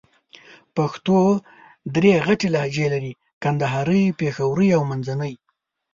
پښتو درې غټ لهجې لرې: کندهارۍ، پېښورۍ او منځني.